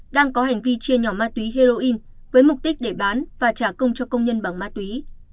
đang có hành vi chia nhỏ ma túy heroin với mục đích để bán và trả công cho công nhân bằng ma túy